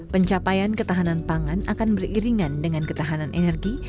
pencapaian ketahanan pangan akan beriringan dengan ketahanan energi